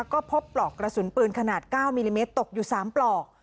ก็พบปลอกกระสุนปืนขนาด๙มิลลิเมตรตกอยู่๓ปลอก